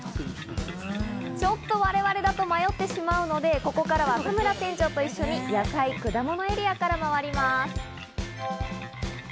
ちょっと我々だと迷ってしまうので、ここからは田村店長と果物エリアから回ります。